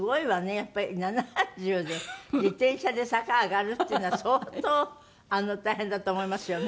やっぱり７０で自転車で坂上がるってのは相当大変だと思いますよね。